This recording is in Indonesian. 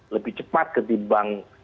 lebih cepat ketimbang